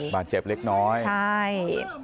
บาดเจ็บเล็กน้อยใช่